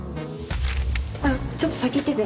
あっちょっと先行ってて。